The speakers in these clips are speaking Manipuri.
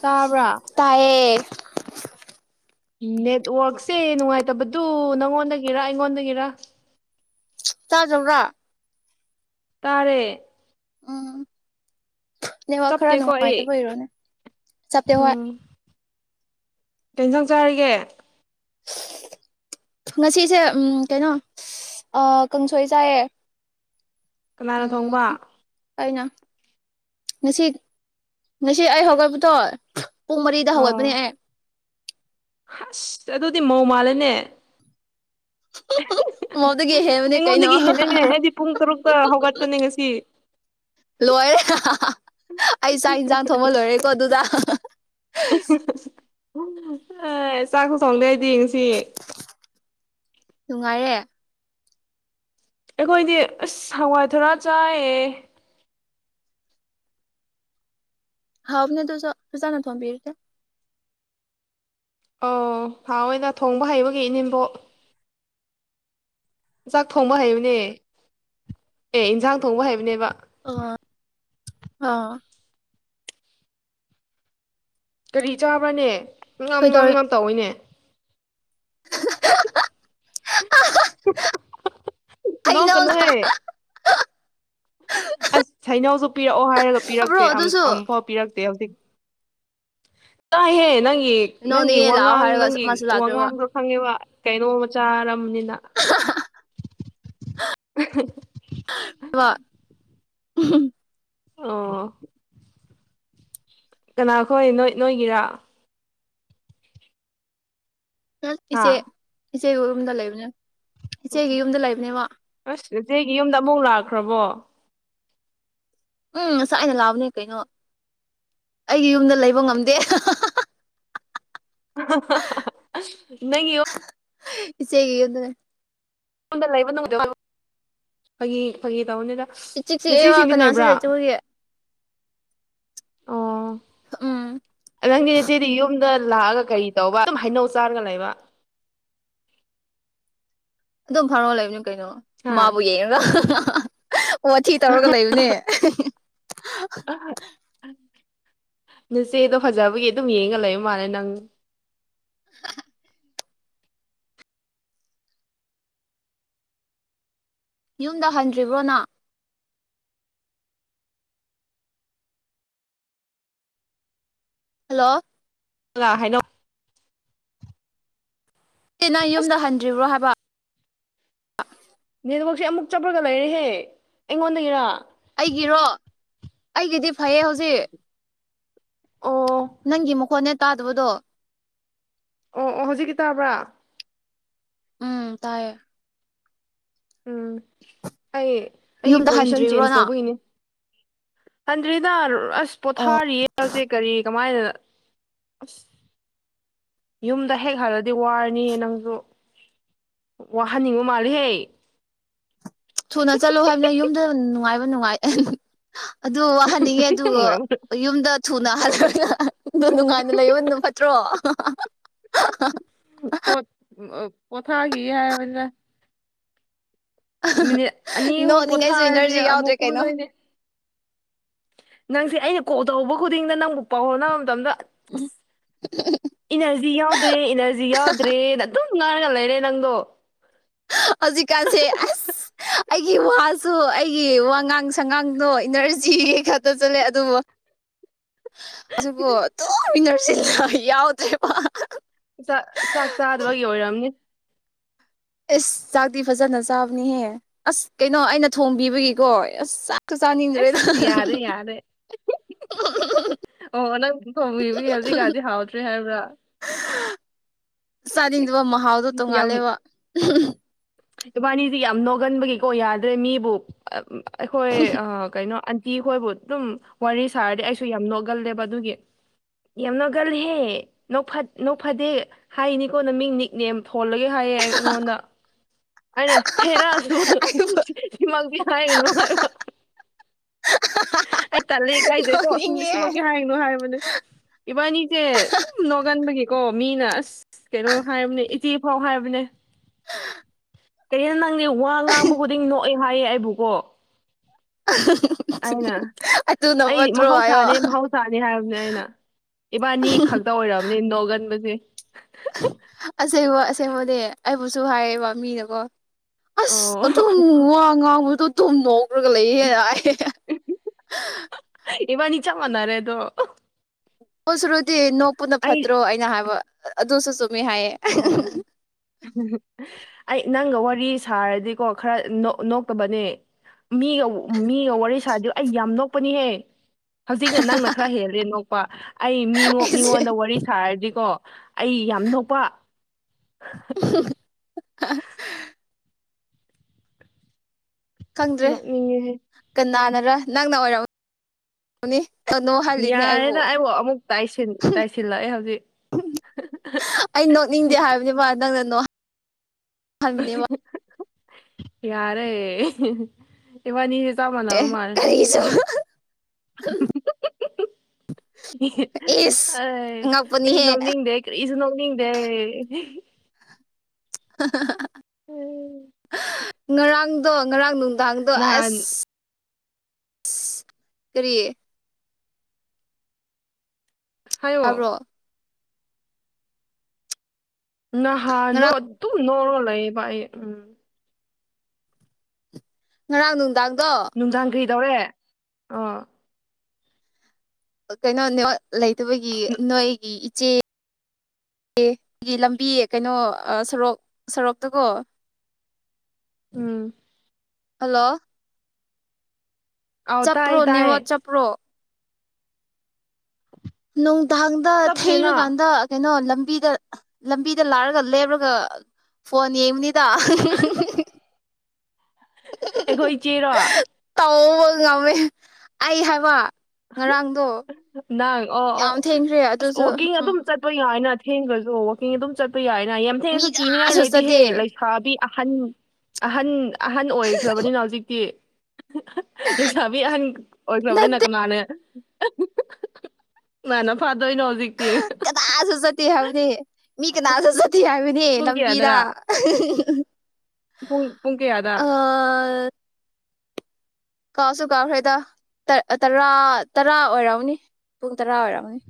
ꯇꯥꯕ꯭ꯔꯥ ꯇꯥꯏꯌꯦ ꯅꯦꯠꯋ‍꯭ꯥꯔꯛꯁꯦ ꯅꯨꯡꯉꯥꯏꯇꯕꯗꯨ ꯅꯪꯉꯣꯟꯗꯒꯤꯔ ꯑꯩꯉꯣꯟꯗꯒꯤꯔ ꯇꯥꯗꯕ꯭ꯔꯥ ꯇꯥꯔꯦ ꯎꯝ ꯅꯦꯠꯋꯥ꯭ꯔꯛ ꯈꯔ ꯆꯞꯇꯦꯀꯣ ꯑꯩ ꯅꯨꯡꯉꯥꯏꯇꯕꯩ ꯑꯣꯏꯔꯝꯅꯤ ꯆꯞꯇꯦ ꯍꯣꯏ ꯎꯝ ꯀꯩ ꯍꯦꯟꯖꯥꯡ ꯆꯥꯔꯒꯦ ꯉꯁꯤꯁꯦ ꯎꯝ ꯀꯩꯅꯣ ꯑꯥ ꯀꯥꯡꯁꯣꯏ ꯆꯥꯏꯌꯦ ꯀꯅꯥꯅ ꯎꯝ ꯊꯣꯡꯕ ꯑꯩꯅ ꯉꯁꯤ ꯉꯁꯤ ꯑꯩ ꯍꯧꯒꯠꯄꯗꯣ ꯄꯨꯡ ꯃꯔꯤꯗ ꯍꯧꯒꯠꯄꯅꯦ ꯑꯩ ꯍꯁ ꯑꯗꯨꯗꯤ ꯃꯧ ꯃꯥꯜꯂꯦꯅꯦ ꯑꯃꯗꯒꯤ ꯍꯦꯟꯕꯅꯦ ꯀꯩꯅꯣ ꯑꯩꯉꯣꯟꯗꯒꯤ ꯍꯦꯜꯂꯦꯅꯦ ꯑꯩꯗꯤ ꯄꯨꯡ ꯇꯔꯨꯛꯇ ꯍꯧꯒꯠꯄꯅꯦ ꯉꯁꯤ ꯂꯣꯏꯔꯦ ꯑꯩ ꯆꯥꯛ ꯍꯤꯟꯖꯥꯡ ꯊꯣꯡꯕ ꯂꯣꯏꯔꯦꯀꯣ ꯑꯗꯨꯗ ꯑꯥꯏ ꯆꯥꯛꯁꯨ ꯊꯣꯡꯗꯦ ꯑꯩꯗꯤ ꯉꯁꯤ ꯅꯨꯡꯉꯥꯏꯔꯦ ꯑꯩꯈꯣꯏꯗꯤ ꯑꯁ ꯍꯋꯥꯏꯊꯔꯥ ꯆꯥꯏꯌꯦ ꯍꯥꯎꯕꯅꯦ ꯑꯗꯨꯁꯨ ꯐꯖꯅ ꯊꯣꯡꯕꯤꯔꯗꯤ ꯑꯧ ꯍꯥꯎꯋꯦꯅ ꯊꯣꯡꯕ ꯍꯩꯕꯒꯤ ꯏꯅꯦꯝꯕꯣꯛ ꯆꯥꯛ ꯊꯣꯡꯕ ꯍꯩꯕꯅꯦ ꯑꯦ ꯏꯟꯖꯥꯡ ꯊꯣꯡꯕ ꯍꯩꯕꯅꯦꯕ ꯑꯣꯑ ꯑ ꯀꯔꯤ ꯆꯥꯕ꯭ꯔꯥꯅꯦ ꯉꯝ ꯉꯝ ꯀꯩꯗꯧꯔꯤ ꯉꯝ ꯇꯧꯋꯤꯅꯦ ꯍꯩꯅꯧ ꯅꯣꯛꯀꯅꯨꯍꯦ ꯑꯁ ꯍꯩꯅꯧꯁꯨ ꯄꯤꯔꯛꯑꯣ ꯍꯥꯏꯔꯒ ꯂꯥꯛꯑꯕ꯭ꯔꯣ ꯄꯤꯔꯛꯇꯦ ꯑꯗꯨꯁꯨ ꯑꯃꯨꯐꯥꯎ ꯄꯤꯔꯛꯇꯦ ꯍꯧꯖꯤꯛ ꯇꯥꯏꯍꯦ ꯅꯪꯒꯤ ꯅꯣꯅꯦ ꯅꯪꯒꯤ ꯂꯥꯛꯑꯣ ꯋꯥꯉꯥꯡ ꯍꯥꯏꯔꯒ ꯅꯪꯒꯤ ꯃꯥꯁꯨ ꯂꯥꯛꯇ꯭ꯔꯕ ꯋꯥꯉꯥꯡꯗꯣ ꯈꯪꯉꯦꯕ ꯀꯩꯅꯣꯃ ꯆꯥꯔꯝꯅꯤꯅ ꯋꯥ [unintelligible] [unintelligible] ꯑꯣ ꯀꯅꯥꯈꯣꯏ ꯅꯣꯏ ꯅꯣꯏꯒꯤꯔꯥ ꯍꯥ ꯏꯆꯦ ꯏꯆꯦꯒꯤ ꯌꯨꯝꯗ ꯂꯩꯕꯅꯦ ꯏꯆꯦꯒꯤ ꯑꯣ ꯌꯨꯝꯗ ꯂꯩꯕꯅꯦꯕ ꯑꯁ ꯅꯆꯦꯒꯤ ꯌꯨꯝꯗ ꯑꯃꯨꯛ ꯂꯥꯛꯈ꯭ꯔꯕꯣ ꯎꯝ ꯉꯁꯥꯏꯅ ꯂꯥꯛꯕꯅꯦ ꯀꯩꯅꯣ ꯑꯩꯒꯤ ꯌꯨꯝꯗ ꯂꯩꯕ ꯉꯝꯗꯦ [unintelligible] [unintelligible] ꯅꯪꯒꯤ ꯌꯨꯝ ꯏꯆꯦꯒꯤ ꯌꯨꯝꯗ [unintelligible] ꯂꯩꯕ [unintelligible] ꯐꯥꯒꯤ ꯐꯥꯒꯤ ꯇꯧꯕꯅꯤꯗ ꯏꯆꯤꯛ ꯆꯤꯛꯑꯦꯕ ꯅꯆꯦꯁꯤꯡꯗꯤ ꯀꯅꯥꯁꯨ ꯂꯩꯕ꯭ꯔꯥ ꯂꯩꯇꯕꯒꯤ ꯑꯣ ꯎꯝ ꯅꯪꯗꯤ ꯏꯆꯦꯗꯤ ꯌꯨꯝꯗ ꯂꯥꯛꯑꯒ ꯀꯔꯤ ꯇꯧꯕ ꯑꯗꯨꯝ ꯍꯩꯅꯧ ꯆꯥꯔꯒ ꯂꯩꯕ ꯑꯗꯨꯝ ꯐꯝꯃ ꯂꯩꯕꯅꯦ ꯀꯩꯅꯣ ꯍꯥ ꯃꯥꯕꯨ ꯌꯦꯡꯉꯒ ꯋꯥꯊꯤ ꯇꯧꯔꯒ ꯂꯩꯕꯅꯦ ꯑꯥ ꯏꯆꯦꯗꯣ ꯐꯖꯕꯒꯤ ꯑꯗꯨꯝ ꯌꯦꯡꯉꯒ ꯂꯩꯕ ꯃꯥꯜꯂꯦ ꯅꯪ [inaudible] ꯌꯨꯝꯗ ꯍꯟꯗ꯭ꯔꯤꯕ꯭ꯔꯣ ꯅꯪ ꯍꯜꯂꯣ [unintelligible] ꯍꯩꯅꯧ ꯁꯤꯅ ꯌꯨꯝꯗ ꯍꯟꯗ꯭ꯔꯤꯕ꯭ꯔꯣ ꯍꯥꯏꯕ ꯅꯦꯠꯋꯥꯛꯁꯦ ꯑꯃꯨꯛ ꯆꯠꯂꯔꯒ ꯂꯩꯔꯦꯍꯦ ꯑꯩꯉꯣꯟꯗꯒꯤꯔꯥ ꯑꯩꯒꯤꯔꯣ ꯑꯩꯒꯤꯗꯤ ꯐꯩꯌꯦ ꯍꯧꯖꯤꯛ ꯑꯣ ꯅꯪꯒꯤ ꯃꯈꯣꯟꯅꯦ ꯇꯥꯗꯕꯗꯣ ꯑꯣ ꯑꯣ ꯍꯧꯖꯤꯛꯇꯤ ꯇꯥꯕ꯭ꯔꯥ ꯎꯝ ꯇꯥꯏꯌꯦ ꯎꯝ ꯑꯩ ꯑꯩꯒꯤ ꯌꯨꯝꯗ ꯄꯣꯖꯤꯁꯟ ꯍꯟꯗ꯭ꯔꯤꯕ꯭ꯔꯣ ꯆꯦꯟꯖ ꯅꯪ ꯇꯧꯕꯒꯤꯅꯦ ꯍꯟꯗ꯭ꯔꯤꯗ ꯑꯁ ꯑꯣ ꯄꯣꯊꯥꯔꯤꯌꯦ ꯍꯧꯖꯤꯛ ꯀꯔꯤ ꯀꯃꯥꯏꯅ ꯑꯁ ꯌꯨꯝꯗ ꯍꯦꯛ ꯍꯜꯂꯗꯤ ꯋꯥꯔꯅꯤꯌꯦ ꯅꯪꯁꯨ ꯋꯥꯍꯟꯅꯤꯡꯕ ꯃꯥꯜꯂꯦꯍꯦ ꯊꯨꯅ ꯆꯠꯂꯨ ꯍꯥꯏꯕꯅꯦ ꯌꯨꯝꯗ ꯅꯨꯡꯉꯥꯏꯕ ꯅꯨꯡꯉꯥꯏ ꯑꯗꯨ ꯋꯥꯍꯟꯅꯤꯡꯉꯦ ꯑꯗꯨ ꯌꯨꯝꯗ ꯊꯨꯅ ꯍꯜꯂꯣꯅ [unintelligible] ꯑꯗꯨ ꯅꯨꯡꯉꯥꯏꯅ ꯂꯩꯕꯅ ꯐꯠꯇ꯭ꯔꯣ ꯑ [unintelligible] ꯄꯣꯊꯈꯤꯒꯦ ꯍꯥꯏꯕꯅꯤꯗ ꯃꯤꯅꯤꯠ ꯑꯅꯤ ꯑꯍꯨꯝ ꯅꯣꯛꯅꯤꯡꯉꯥꯏꯁꯨ ꯄꯣꯊꯥꯔꯗꯤ ꯏꯅꯔꯖꯤ ꯑꯃꯨꯛ ꯌꯥꯎꯗ꯭ꯔꯦ ꯀꯩꯅꯣ ꯀꯨꯝꯗꯣꯏꯅꯤ ꯅꯪꯁꯦ ꯑꯩꯅ ꯒꯣꯜ ꯇꯧꯕ ꯈꯨꯗꯤꯡꯗ ꯅꯪꯕꯨ ꯄꯥꯎ ꯐꯧꯅꯕ ꯃꯇꯝꯗ ꯑꯁ ꯏꯅꯥꯔꯖꯤ ꯌꯥꯎꯗ꯭ꯔꯦ ꯏꯅꯥꯔꯖꯤ ꯌꯥꯎꯗ꯭ꯔꯦꯅ ꯑꯗꯨꯝ ꯉꯥꯏꯔꯒ ꯂꯩꯔꯦ ꯅꯪꯗꯣ ꯍꯧꯖꯤꯛ ꯀꯥꯟꯁꯦ ꯑꯁ ꯑꯩꯒꯤ ꯋꯥꯁꯨ ꯑꯩꯒꯤ ꯋꯥꯉꯥꯡ ꯁꯉꯥꯡꯗꯣ ꯏꯅꯥꯔꯖꯤ ꯈꯛꯇ ꯆꯠꯂꯦ ꯑꯗꯨꯕꯨ ꯑꯗꯨꯕꯨ ꯑꯗꯨꯝ ꯢꯅꯥꯔꯖꯤ ꯌꯥꯎꯗ꯭ꯔꯦ ꯆꯥꯛ ꯆꯥꯛ ꯆꯥꯗꯕꯒꯤ ꯑꯣꯢꯔꯝꯅꯤ ꯑꯦꯁ ꯆꯥꯛꯇꯤ ꯐꯖꯅ ꯆꯥꯕꯅꯤꯍꯦ ꯑꯁ ꯀꯩꯅꯣ ꯑꯩꯅ ꯊꯣꯡꯕꯤꯕꯒꯤꯀꯣ ꯑꯁ ꯆꯥ ꯀ ꯆꯥꯅꯤꯡꯗ꯭ꯔꯦꯗ ꯑꯁ ꯌꯥꯔꯦ ꯌꯥꯔꯦ ꯑꯣ ꯅꯪ ꯊꯣꯡꯕꯤꯕꯒꯤ ꯍꯧꯖꯤꯛꯀꯥꯟꯗꯤ ꯍꯥꯎꯇ꯭ꯔꯦ ꯍꯥꯢꯕ꯭ꯔꯥ ꯆꯥꯅꯤꯡꯗꯨꯕ ꯃꯍꯥꯎꯗꯣ ꯇꯣꯡꯉꯥꯜꯂꯦꯕ ꯏꯕꯥꯅꯤꯖꯤ ꯌꯥꯝ ꯅꯣꯛꯒꯟꯕꯒꯤꯀꯣ ꯌꯥꯗ꯭ꯔꯦ ꯃꯤꯕꯨ ꯑ ꯎꯝ ꯑ ꯑꯩꯈꯣꯢ ꯑ ꯀꯩꯅꯣ ꯑꯟ ꯇꯤꯍꯣꯢꯕꯨ ꯑꯗꯨꯝ ꯋꯥꯔꯤ ꯁꯥꯔꯗꯤ ꯑꯩꯁꯨ ꯌꯥꯝ ꯅꯣꯒꯜꯂꯦꯕ ꯑꯗꯨꯒꯤ ꯌꯥꯝ ꯅꯒꯜꯂꯤꯍꯦ ꯅꯣꯛꯐꯠ ꯅꯣꯛꯐꯗꯦ ꯍꯥꯢꯅꯤꯀꯣ ꯅꯃꯤꯡ ꯅꯤꯛꯅꯦꯝ ꯊꯣꯜꯂꯒꯦ ꯍꯥꯢꯌꯦ ꯑꯩꯉꯣꯟꯗ ꯑꯩꯅ ꯍꯦꯔꯁꯨ ꯑꯩꯕꯨ ꯁꯤ ꯁꯤꯃꯛꯗꯤ ꯍꯥꯢꯒꯅꯨ ꯍꯥꯢꯕ ꯑꯩ ꯇꯜꯂꯤ ꯏꯀꯥꯢꯖꯩꯀꯣ ꯑꯁ ꯅꯣꯛꯅꯤꯡꯉꯦ ꯃꯁꯤꯃꯛꯀꯤ ꯍꯥꯢꯒꯅꯣ ꯍꯥꯢꯕꯅꯦ ꯏꯕꯥꯅꯤꯖꯦ ꯗꯨꯝ ꯅꯣꯒꯟꯕꯒꯤꯀꯣ ꯃꯤꯅ ꯑꯁ ꯀꯩꯅꯣ ꯍꯥꯢꯕꯅꯦ ꯏꯆꯤ ꯐꯧ ꯍꯥꯢꯕꯅꯦ ꯀꯩꯅꯣ ꯅꯪꯗꯤ ꯋꯥ ꯉꯥꯡꯕ ꯈꯨꯗꯤꯡ ꯅꯣꯛꯑꯦ ꯍꯥꯢꯌꯦ ꯑꯩꯕꯨ ꯀꯣ ꯑꯗꯨꯅ ꯐꯠꯇ꯭ꯔꯣ ꯍꯥꯢꯌꯣ ꯁꯥꯥꯅꯤ ꯍꯥꯢꯔꯕꯅꯦ ꯑꯩꯅ ꯏꯕꯥꯅꯤ ꯈꯛꯇ ꯑꯣꯢꯔꯝꯅꯤ ꯅꯣꯛꯒꯟꯕꯁꯦ ꯑꯁꯦꯡꯕ ꯑꯁꯦꯡꯕꯗꯤ ꯑꯩꯕꯨꯁꯨ ꯍꯥꯢꯌꯦꯕ ꯃꯤꯅꯀꯣ ꯑꯁ ꯑꯣ ꯑꯗꯨꯝ ꯋꯥ ꯉꯥꯡꯕꯗꯣ ꯑꯗꯨꯨꯝ ꯅꯣꯛꯈ꯭ꯔꯒ ꯂꯩꯌꯦ ꯍꯥꯢꯌꯦ [unintelligible] ꯏꯕꯅꯤ ꯆꯞ ꯃꯥꯟꯅꯔꯦ ꯑꯗꯣ ꯑꯣ ꯁꯨꯔꯨꯗꯤ ꯅꯣꯛꯄꯅ ꯑꯩ ꯐꯠꯇ꯭ꯔꯣ ꯑꯩꯅ ꯍꯥꯢꯕ ꯑꯗꯨꯁꯨ ꯆꯨꯝꯃꯤ ꯍꯥꯢꯌꯦ ꯍꯨꯝ ꯍꯨꯝ ꯑꯩ ꯅꯪꯒ ꯋꯥꯔꯤ ꯁꯥꯔꯗꯤꯀꯣ ꯈꯔ ꯅꯣꯛ ꯅꯣꯛꯇꯕꯅꯦ ꯃꯤꯒ ꯃꯤꯒ ꯋꯥꯔꯤ ꯁꯥꯗꯤ ꯑꯩ ꯌꯥꯝ ꯅꯣꯛꯄꯅꯤꯍꯦ ꯍꯧꯖꯤꯛꯅ ꯅꯪꯅ ꯈꯔ ꯍꯦꯜꯂꯦ ꯅꯣꯛꯄ ꯑꯩ ꯃꯤꯃꯣ ꯑꯩꯁꯦ ꯃꯤꯉꯣꯟꯗ ꯋꯥꯔꯤ ꯁꯥꯔꯗꯤꯀꯣ ꯑꯩ ꯌꯥꯝ ꯅꯣꯛꯄ [unintelligible] ꯈꯪꯗ꯭ꯔꯦ ꯅꯣꯛꯅꯤꯡꯉꯦꯍꯦ ꯀꯅꯥꯅꯔ ꯅꯪꯅ ꯑꯣꯢꯔꯝ ꯅꯤ ꯀꯅꯣꯍꯜꯂꯤꯅꯦ ꯑꯩꯕꯨ ꯇꯥꯢꯁꯤꯟ ꯇꯥꯢꯁꯤꯜꯂꯛꯑꯦ ꯍꯧꯖꯤꯛ ꯑꯩ ꯅꯣꯛꯅꯤꯡꯗꯦ ꯍꯥꯢꯕꯅꯦꯕ ꯃꯥ ꯅꯪꯅ ꯅꯣꯛꯍ ꯍꯟꯕꯅꯦꯕ ꯌꯥꯔꯦ ꯏꯕꯥꯅꯤꯖꯦ ꯆꯞ ꯃꯅꯕ ꯃꯥꯜꯂꯦ ꯀꯔꯤꯁꯨ [unintelligible] ꯑꯩ ꯏꯁ ꯑꯩꯗꯤ ꯉꯛꯄꯅꯤꯍꯦ ꯅꯣꯛꯅꯤꯡꯗꯦ ꯀꯔꯤꯁꯨ ꯅꯣꯛꯅꯤꯡꯗꯦ [unintelligible] ꯎꯝ ꯉꯔꯥꯡꯗꯣ ꯉꯔꯥꯡ ꯅꯨꯡꯗꯥꯡꯗꯣ ꯅꯍꯥꯟ ꯑꯁ ꯀꯔꯤꯌꯦ ꯍꯥꯢꯌꯣ ꯇꯥꯕ꯭ꯔꯣ ꯅꯍꯥꯟꯗꯣ ꯉꯔꯥꯡ ꯑꯗꯨꯝ ꯅꯣꯑ ꯅꯣꯑ ꯂꯩꯌꯦꯕ ꯑꯩ ꯎꯝ ꯉꯔꯥꯡ ꯅꯨꯡꯗꯥꯡꯗꯣ ꯅꯨꯡꯗꯥꯡ ꯀꯔꯤꯗꯧꯔꯦ ꯑꯣ ꯀꯩꯅꯣꯅꯦ ꯍꯣꯢ ꯂꯩꯇꯕꯒꯤ ꯅꯣꯢꯒꯤ ꯏꯆꯦ ꯑꯦ ꯁꯤꯒꯤ ꯂꯝꯕꯤ ꯀꯩꯅꯣ ꯁꯣꯔꯣꯛ ꯁꯔꯣꯛꯇꯀꯣ ꯎꯝ ꯍꯜꯂꯣ ꯑꯥꯎ ꯆꯞꯄ꯭ꯔꯣ ꯇꯥꯏꯌꯦ ꯇꯥꯏꯌꯦ ꯅꯦꯋ꯭ꯔꯛ ꯆꯞꯄ꯭ꯔꯣ ꯅꯨꯡꯗꯥꯡꯗ ꯆꯞꯇꯦꯅ ꯊꯩꯔꯀꯥꯟꯗ ꯀꯩꯅꯣ ꯂꯝꯕꯤꯗ ꯂꯝꯕꯤꯗ ꯂꯥꯛꯔꯒ ꯂꯦꯞꯔꯒ ꯐꯣꯟ ꯌꯦꯡꯕꯅꯤ ꯗꯥ ꯑꯩꯈꯣꯏ ꯏꯆꯦꯔꯣ ꯇꯧꯕ ꯉꯝꯃꯦ ꯑꯩ ꯍꯥꯏꯕ ꯉꯔꯥꯡꯗꯣ ꯅꯪ ꯑꯣ ꯑꯣ ꯌꯥꯝ ꯊꯦꯡꯈ꯭ꯔꯦ ꯑꯁ ꯑꯗꯨꯁꯨ ꯋꯥꯛꯀꯤꯡ ꯑꯗꯨꯝ ꯎꯝ ꯆꯠꯄ ꯌꯥꯏꯅ ꯊꯦꯡꯈ꯭ꯔꯁꯨ ꯋꯛꯀꯤꯡ ꯑꯗꯨꯝ ꯆꯠꯄ ꯌꯥꯏꯅ ꯌꯥꯝ ꯃꯤ ꯊꯦꯡꯉꯁꯨ ꯀꯤꯅꯤꯡꯉꯥꯏ ꯀꯅꯥꯁꯨ ꯂꯩꯇꯦꯍꯦ ꯆꯠꯇꯦ ꯂꯩ ꯁꯥꯕꯤ ꯑꯍꯟ ꯑꯍꯟ ꯑꯍꯟ ꯑꯣꯏꯈ꯭ꯔꯕꯅꯤꯅ ꯍꯧꯖꯤꯛꯇꯤ ꯂꯩꯁꯥꯕꯤ ꯑꯍꯟ ꯑꯣꯏꯈ꯭ꯔꯕꯅꯤꯅ ꯅꯠꯇꯦ ꯀꯅꯥꯅ ꯐꯥꯗꯣꯏꯅꯣ ꯍꯧꯖꯤꯛ ꯀꯅꯥꯁꯨ ꯆꯠꯇꯦ ꯍꯥꯏꯕꯅꯦ ꯃꯤ ꯀꯅꯥꯁꯨ ꯆꯠꯇꯦ ꯍꯥꯏꯕꯅꯦ ꯄꯨꯡ ꯂꯝꯕꯤꯗ ꯀꯌꯥꯗꯔꯥ [inaudible] ꯄꯨꯡ ꯄꯨꯡ ꯀꯌꯥꯗ ꯑꯥ ꯀꯥꯎꯁꯨ ꯀꯥꯎꯈ꯭ꯔꯦꯗ ꯇꯥ ꯑꯥ ꯇꯔꯥ ꯇꯔꯥ ꯑꯣꯏꯔꯝꯒꯅꯤ ꯄꯨꯡ ꯇꯔꯥ ꯑꯣꯏꯔꯝꯒꯅꯤ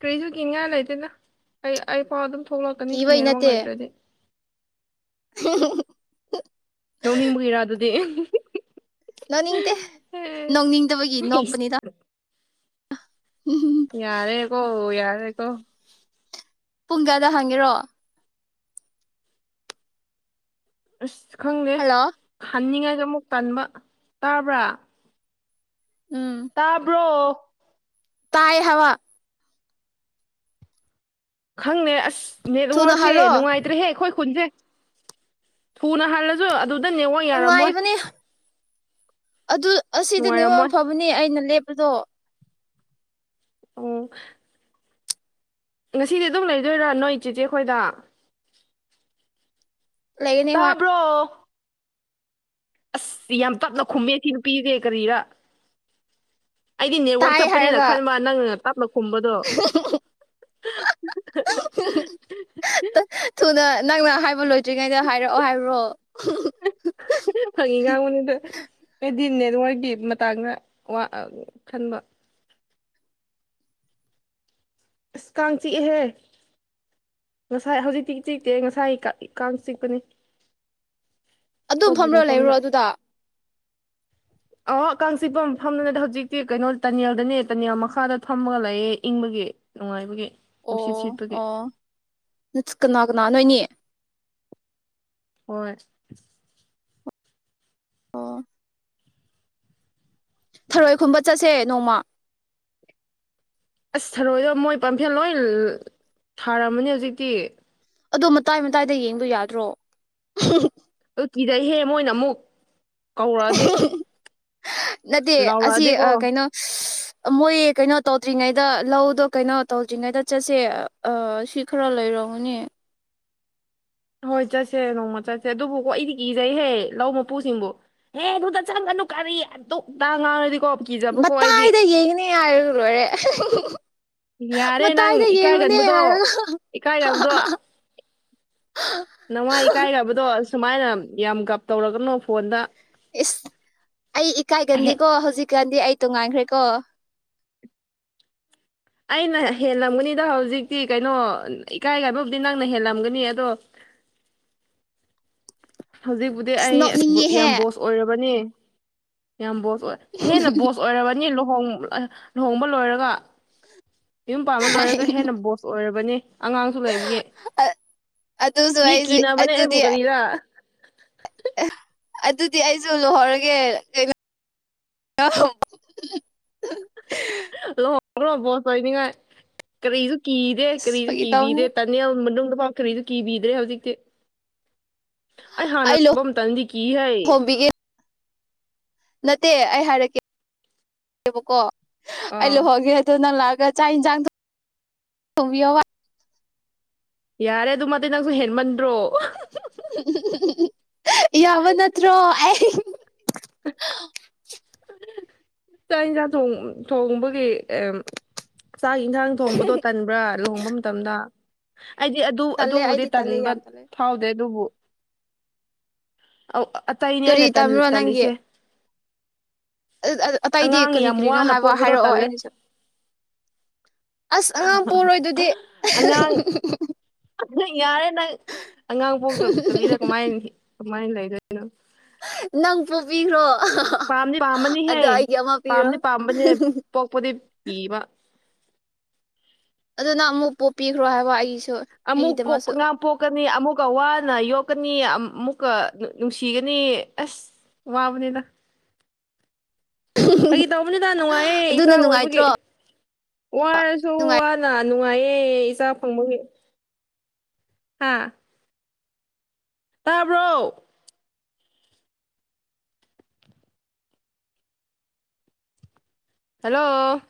ꯀ꯭ꯔꯤꯁꯨ ꯀꯤꯅꯤꯡꯉꯥꯏ ꯂꯩꯇꯦꯗ ꯑꯩ ꯑꯩ ꯐꯥꯎ ꯑꯗꯨꯝ ꯊꯣꯛꯂꯛꯀꯅꯤ ꯀꯤꯕꯩ ꯅꯦꯠꯋ꯭ꯔꯛ ꯅꯠꯇꯦ ꯂꯩꯇ꯭ꯔꯗꯤ [inaudible] ꯅꯣꯛꯅꯤꯡꯕꯒꯤꯔꯥ ꯑꯗꯨꯗꯤ ꯅꯣꯛꯅꯤꯡꯇꯦ ꯅꯣꯡꯅꯤꯡꯗꯕꯒꯤ ꯏꯁ ꯅꯣꯛꯄꯅꯤꯗ ꯌꯥꯔꯦꯀꯣ ꯌꯥꯔꯦꯀꯣ ꯄꯨꯡ ꯀꯌꯥꯗ ꯍꯟꯒꯦꯔꯣ ꯑꯁ ꯈꯪꯗꯦ ꯍꯜꯂꯣ ꯍꯟꯅꯤꯡꯉꯥꯏꯁꯨ ꯑꯃꯨꯛ ꯇꯟꯕ ꯇꯥꯕ꯭ꯔꯥ ꯎꯝ ꯇꯥꯕ꯭ꯔꯣ ꯇꯥꯏ ꯍꯥꯏꯕ ꯈꯪꯗꯦ ꯑꯁ ꯊꯨꯅ ꯅꯦꯠꯋ꯭ꯔꯛꯁꯦ ꯍꯜꯂꯣ ꯅꯨꯡꯉꯥꯏꯇ꯭ꯔꯦꯍꯦ ꯑꯩꯈꯣꯏ ꯈꯨꯟꯁꯦ ꯊꯨꯅ ꯍꯜꯂ ꯁꯨ ꯑꯗꯨꯗ ꯅꯦꯋ꯭ꯔꯛ ꯅꯨꯡꯉꯥꯏꯕꯅꯤ ꯑꯗꯨ ꯑꯁꯤꯗ ꯅꯦꯋ꯭ꯔꯛ ꯅꯨꯡꯉꯥꯏꯔꯝꯃꯣꯏ ꯐꯕꯅꯤ ꯑꯩꯅ ꯂꯦꯞꯄꯗꯣ ꯑꯣ ꯉꯁꯤꯗꯤ ꯑꯗꯨꯝ ꯂꯩꯗꯣꯏꯔꯥ ꯅꯣꯏ ꯆꯦꯆꯦ ꯈꯣꯏꯗ ꯂꯩꯒꯅꯤ ꯍꯣꯏ ꯇꯥꯕ꯭ꯔꯣ ꯑꯁ ꯌꯥꯝ ꯇꯞꯅ ꯈꯨꯝꯃꯦ ꯑꯁꯤ ꯅꯨꯄꯤꯁꯦ ꯀꯔꯤꯔꯥ ꯑꯩꯗꯤ ꯅꯦꯠꯋ꯭ꯔꯛ ꯇꯥꯏ ꯆꯞꯄꯅꯤꯅ ꯍꯥꯏꯔꯒ ꯈꯟꯕ ꯅꯪꯅ ꯇꯞꯅ ꯈꯨꯝꯕꯗꯣ ꯊꯨꯅ ꯅꯪꯅ ꯍꯥꯏꯕ ꯂꯣꯏꯗ꯭ꯔꯤꯉꯩꯗ ꯍꯥꯏꯔꯛꯑꯣ ꯍꯥꯏꯕ꯭ꯔꯣ ꯐꯒꯤ ꯉꯥꯡꯕꯅꯤꯗ ꯑꯩꯗꯤ ꯅꯦꯠꯋ꯭ꯔꯛꯀꯤ ꯃꯇꯥꯡꯗ ꯋꯥ ꯑ ꯈꯟꯕ ꯑꯁ ꯀꯥꯡ ꯆꯤꯛꯑꯦꯍꯦ ꯉꯁꯥꯏ ꯍꯧꯖꯤꯛꯇꯤ ꯆꯤꯛꯇꯦ ꯉꯁꯥꯏꯒꯤ ꯀ ꯀꯥꯡ ꯆꯤꯛꯄꯅꯦ ꯑꯗꯨꯝ ꯐꯝꯔꯒꯥ ꯂꯩꯕ꯭ꯔꯣ ꯃꯐꯝꯗ ꯑꯗꯨꯗ ꯑꯣ ꯀꯥꯡ ꯆꯤꯛꯄ ꯃꯐꯝꯗ ꯅꯠꯇꯦ ꯍꯧꯖꯤꯛꯇꯤ ꯀꯩꯅꯣ ꯇꯅꯦꯜꯗꯅꯦ ꯇꯅꯦꯜ ꯃꯈꯥꯗ ꯐꯝꯃꯒ ꯂꯩꯌꯦ ꯏꯪꯕꯒꯤ ꯅꯨꯡꯉꯥꯏꯕꯒꯤ ꯅꯨꯡꯁꯤꯠ ꯁꯤꯠꯄꯒꯤ ꯏꯁ ꯀꯅꯥ ꯀꯅꯥ ꯅꯣꯏꯅꯤ ꯍꯣꯏ ꯑꯣ ꯊꯔꯣꯏ ꯈꯨꯟꯕ ꯆꯠꯁꯦ ꯅꯣꯡꯃꯥ ꯑꯁ ꯊꯔꯣꯏꯗꯣ ꯃꯣꯏ ꯄꯝꯐꯦꯜ ꯂꯣꯏ ꯊꯥꯔꯝꯃꯅꯦ ꯍꯧꯖꯤꯛꯇꯤ ꯑꯗꯣ ꯃꯇꯥꯏ ꯃꯇꯥꯏꯗ ꯌꯦꯡꯕ ꯌꯥꯗ꯭ꯔꯣ ꯑꯗꯨ ꯀꯤꯗꯩꯍꯦ ꯃꯣꯏꯅ ꯑꯃꯨꯛ ꯀꯧꯔꯛꯑꯗꯤ ꯂꯥꯎꯔꯛꯑꯗꯤꯀꯣ ꯑꯥ ꯃꯣꯏ ꯀꯩꯅꯣ ꯇꯧꯗ꯭ꯔꯤꯉꯩꯗ ꯂꯧꯗꯣ ꯀꯩꯅꯣ ꯇꯧꯗ꯭ꯔꯤꯉꯩꯗ ꯆꯠꯁꯦ ꯑꯥ ꯁꯤ ꯈꯔ ꯂꯩꯔꯝꯒꯅꯤ ꯍꯣꯏ ꯆꯠꯁꯦ ꯅꯣꯡꯃ ꯆꯠꯁꯦ ꯑꯗꯨꯕꯨꯀꯣ ꯑꯩꯗꯤ ꯀꯤꯖꯩꯍꯦ ꯂꯧ ꯃꯄꯨꯁꯤꯡꯕꯨ ꯍꯦ ꯑꯗꯨꯗ ꯆꯪꯒꯅꯨ ꯀꯔꯤ ꯑꯗꯨꯛ ꯑꯗꯥ ꯉꯥꯡꯉꯗꯤꯀꯣ ꯃꯇꯥꯏꯗ ꯌꯦꯡꯅꯤꯡꯉꯥꯏ ꯂꯣꯏꯔꯦ [unintelligible] ꯌꯥꯔꯦ ꯅꯪ ꯃꯇꯥꯏꯗ ꯌꯦꯡꯕꯅꯦ ꯏꯀꯥꯏꯒꯟꯕꯗꯣ ꯍꯥꯏꯔꯒ ꯏꯀꯥꯏꯔꯕꯗꯣ [unintelligible] [unintelligible] ꯅꯃꯥꯏ ꯏꯀꯥꯏꯗꯕꯗꯣ ꯁꯨꯃꯥꯏꯅ ꯌꯥꯝ ꯒꯞ ꯇꯧꯔꯛꯀꯅꯨ ꯐꯣꯟꯗ ꯏꯁ ꯑꯩ ꯍꯦ- ꯏꯀꯥꯏꯒꯟꯗꯦꯀꯣ ꯍꯧꯖꯤꯛꯀꯥꯟꯗꯤ ꯑꯩ ꯇꯣꯡꯉꯥꯟꯈ꯭ꯔꯦꯀꯣ ꯑꯩꯅ ꯍꯦꯜꯂꯝꯒꯅꯤꯗ ꯍꯧꯖꯤꯛꯇꯤ ꯀꯩꯅꯣ ꯏꯀꯥꯏ ꯀꯥꯏꯕꯕꯨꯗꯤ ꯅꯪꯅ ꯍꯦꯜꯂꯝꯒꯅꯤ ꯑꯗꯣ ꯍꯧꯖꯤꯛꯄꯨꯗꯤ ꯑꯩ ꯑꯁ ꯕꯨ ꯌꯥꯝ ꯕꯣꯁ ꯑꯣꯏꯔꯕꯅꯤ ꯌꯥꯝ ꯕꯣꯁ ꯑꯣꯏ ꯍꯦꯟꯅ ꯕꯣꯁ ꯑꯣꯏꯔꯕꯅꯤ ꯂꯨꯍꯣꯡ ꯑ ꯂꯨꯍꯣꯡꯕ ꯂꯣꯏꯔꯒ ꯌꯨꯝ ꯄꯥꯟꯕ ꯂꯣꯏꯔꯒ ꯍꯦꯟꯅ ꯕꯣꯁ ꯑꯣꯏꯔꯕꯅꯦ ꯑꯉꯥꯡꯁꯨ ꯂꯩꯕꯒꯤ ꯑꯗꯨꯁꯨ ꯃꯤ ꯑꯩꯁꯨ ꯀꯤꯅꯕꯅꯦ ꯑꯩꯕꯨ ꯑꯗꯨꯗꯤ ꯀꯔꯤꯔ ꯑꯗꯨꯗꯤ ꯑꯩꯁꯨ ꯂꯨꯍꯣꯡꯔꯒꯦ ꯀꯩꯅꯣ ꯂꯨꯍꯣꯡꯂꯣ ꯕꯣꯁ ꯑꯣꯏꯅꯤꯡꯉꯥꯏ ꯀꯔꯤꯁꯨ ꯀꯤꯗꯦ ꯑꯁ ꯀꯔꯤꯁꯨ ꯐꯥꯒꯤ ꯇꯧꯕꯅꯤ ꯀꯤꯕꯤꯗꯦ ꯇꯠ ꯃꯤꯅꯌꯥꯝ ꯃꯅꯨꯡꯗꯐꯥꯎ ꯀꯔꯤꯁꯨ ꯀꯤꯕꯤꯗ꯭ꯔꯦ ꯍꯧꯖꯤꯛꯇꯤ ꯑꯩ ꯍꯥꯟꯅ ꯇꯧꯕ ꯑꯃꯇꯪꯗꯤ ꯀꯤ ꯍꯩ ꯂꯨꯍꯣꯡꯕꯤꯒꯦ ꯅꯠꯇꯦ ꯑꯩ ꯍꯥꯏꯔꯛꯀꯦꯕꯀꯣ ꯑꯩ ꯑꯥ ꯂꯨꯍꯧꯒꯦ ꯑꯗꯨ ꯅꯪ ꯂꯥꯛꯑꯒ ꯆꯥꯛ ꯏꯟꯖꯥꯡ ꯊꯣꯡꯕꯤꯌꯣꯕ ꯌꯥꯔꯦ ꯑꯗꯨꯃꯥꯗꯤ ꯅꯪꯖꯨ ꯍꯦꯟꯃꯟꯗ꯭ꯔꯣ [unintelligible] ꯌꯥꯕ ꯅꯠꯇꯔꯣ ꯍꯩ ꯆꯥꯛ ꯏꯟꯁꯥꯡ ꯊꯣꯛꯥꯡ ꯊꯣꯡꯕꯒꯤ ꯆꯥꯛ ꯏꯟꯁꯥꯡ ꯊꯣꯡꯕꯗꯣ ꯇꯟ [unintelligible] ꯕ꯭ꯔ ꯂꯨꯍꯣꯡꯕ ꯃꯇꯝꯗ ꯑꯩꯗꯤ ꯑꯗꯨ ꯇꯜꯂꯦ ꯑꯗꯨꯕꯨꯗꯤ ꯑꯩꯗꯤ ꯇꯜꯂꯦ ꯇꯟꯕ ꯌꯥꯝ ꯇꯜꯂꯦ ꯐꯥꯎꯗꯦ ꯑꯗꯨꯕꯨ ꯑꯧ ꯑꯇꯩꯅꯦ ꯀꯔꯤ ꯑꯩꯅ ꯇꯝꯕ꯭ꯔꯣ ꯅꯪꯒꯤ ꯇꯜꯂꯤꯁꯦ ꯑꯇꯩꯗꯤ ꯑꯉꯥꯡ ꯀꯔꯤ ꯌꯥꯝ ꯀꯔꯤꯅꯣ ꯋꯥꯅ ꯍꯥꯏꯕ ꯄꯣꯛꯄꯗꯣ ꯍꯥꯏꯔꯛꯑꯣ ꯇꯜꯂꯦ ꯑꯩꯒꯤꯁꯨ ꯑꯁ ꯑꯉꯥꯡ ꯄꯣꯔꯣꯏ ꯑꯗꯨꯗꯤ [unintelligible] ꯅꯪ ꯌꯥꯔꯦ ꯅꯪ ꯑꯉꯥꯡ ꯄꯣꯛꯇꯕꯤꯗ ꯀꯃꯥꯏ ꯀꯃꯥꯏꯅ ꯂꯩꯗꯣꯏꯅꯣ ꯅꯪ ꯄꯣꯛꯕꯤꯈ꯭ꯔꯣ ꯄꯥꯝꯗꯤ ꯄꯥꯝꯕꯅꯤꯍꯦ ꯑꯗꯣ ꯑꯩꯒꯤ ꯑꯃ ꯄꯤꯔꯣ ꯄꯥꯝꯗꯤ ꯄꯥꯝꯕꯅꯦ ꯄꯣꯛꯄꯗꯤ ꯀꯤꯕ ꯑꯗꯨ ꯅꯪ ꯑꯃꯨꯛ ꯄꯣꯛꯄꯤꯈ꯭ꯔꯣ ꯍꯥꯏꯕ ꯑꯩꯒꯤꯁꯨ ꯑꯃꯨꯛ ꯀꯣꯛ ꯑꯩꯒꯤꯗꯃꯛꯁꯨ ꯑꯉꯥꯡ ꯄꯣꯛ ꯌꯣꯛꯀꯅꯤ ꯑꯃꯨꯛꯀ ꯋꯥꯅ ꯌꯣꯛꯀꯅꯤ ꯑꯃꯨꯛꯀ ꯅꯨꯡꯁꯤꯒꯅꯤ ꯑꯁ ꯋꯥꯕꯅꯤꯗ ꯐꯥꯒꯤ ꯇꯧꯕꯅꯤꯗ ꯅꯨꯡꯉꯥꯏꯌꯦ ꯏꯆꯥ ꯑꯗꯨꯅ ꯑꯣꯏꯕꯒꯤ ꯅꯨꯡꯉꯥꯏꯇ꯭ꯔꯣ ꯋꯥꯔꯁꯨ ꯅꯨꯡꯉꯥꯏ ꯋꯥꯅ ꯅꯨꯡꯉꯥꯏꯌꯦ ꯏꯆꯥ ꯐꯪꯕꯒꯤ ꯍꯥꯥ ꯇꯥꯕ꯭ꯔꯣ ꯍꯜꯂꯣ